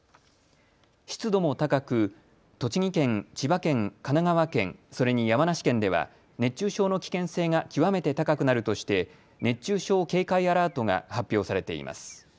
湿度も高く栃木県、千葉県、神奈川県、それに山梨県では熱中症の危険性が極めて高くなるとして熱中症警戒アラートが発表されています。